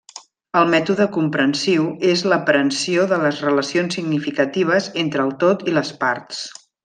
El mètode comprensiu és l'aprehensió de les relacions significatives entre el tot i les parts.